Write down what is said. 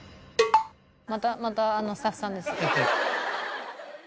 またまたあのスタッフさんです。